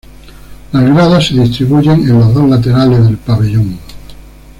Las gradas se distribuyen en los dos laterales del pabellón.